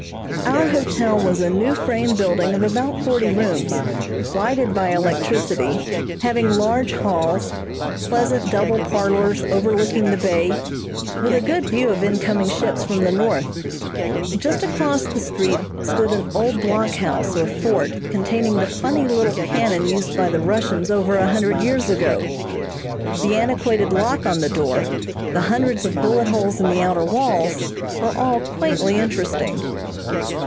Our hotel was a new frame building of about forty rooms, lighted by electricity, having large halls, pleasant double parlors overlooking the bay, with a good view of incoming ships from the north. Just across the street stood an old block house or fort containing the funny little cannon used by the Russians over a hundred years ago. The antiquated lock on the door, the hundreds of bullet holes in the outer walls, were all quaintly interesting.